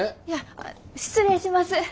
いや失礼します。